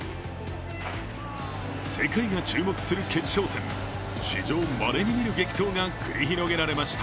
世界が注目する決勝戦、史上まれに見る激闘が繰り広げられました。